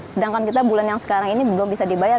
sedangkan kita bulan yang sekarang ini belum bisa dibayar